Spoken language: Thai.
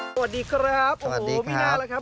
สวัสดีครับโอ้โหไม่น่าแล้วครับ